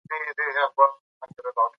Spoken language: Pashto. د کلیزو منظره د افغانستان د ملي هویت نښه ده.